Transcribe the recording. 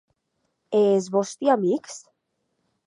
E es vòsti amics?